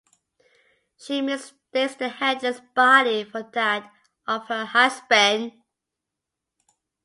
She mistakes the headless body for that of her husband.